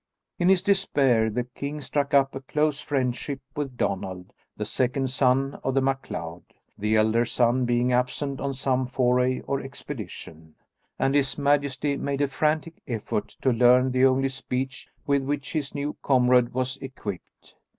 In his despair the king struck up a close friendship with Donald, the second son of the MacLeod, the elder son being absent on some foray or expedition, and his majesty made a frantic effort to learn the only speech with which his new comrade was equipped.